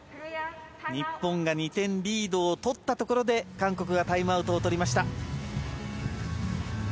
日本が２点リードを取ったところで韓国がタイムアウトを取りました。